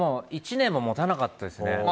１年ももたなかったですね。